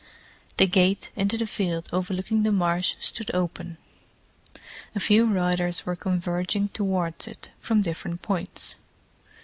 The gate into the field overlooking the marsh stood open; a few riders were converging towards it from different points.